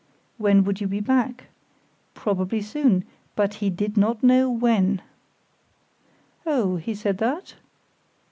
When would you be back? Probably soon; but he did not know when." "Oh, he said that?"